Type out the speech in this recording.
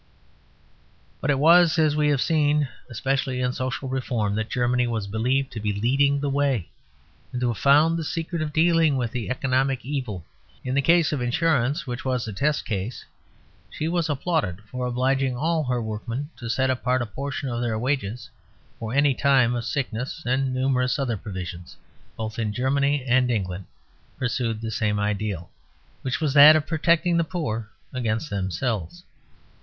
But it was, as we have seen, especially in social reform that Germany was believed to be leading the way, and to have found the secret of dealing with the economic evil. In the case of Insurance, which was the test case, she was applauded for obliging all her workmen to set apart a portion of their wages for any time of sickness; and numerous other provisions, both in Germany and England, pursued the same ideal, which was that of protecting the poor against themselves.